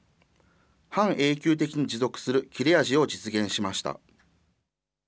半永久的に持続する切れ味を実現しました。